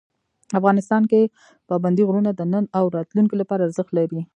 افغانستان کې پابندی غرونه د نن او راتلونکي لپاره ارزښت لري.